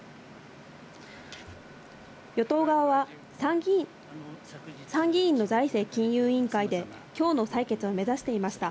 与党側は参議院の財政金融委員会できょうの採決を目指していました。